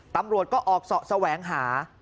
ตำรวจก็ออกเสาะแสวงหา